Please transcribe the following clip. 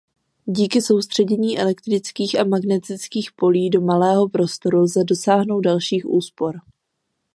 Díky soustředění elektrických a magnetických polí do malého prostoru lze dosáhnout dalších úspor.